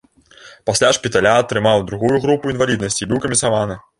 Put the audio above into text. Пасля шпіталя атрымаў другую групу інваліднасці і быў камісаваны.